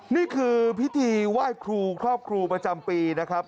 นี่คือพิธีไหว้ครูครอบครูประจำปีนะครับ